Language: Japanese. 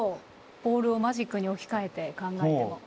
ボールをマジックに置き換えて考えても。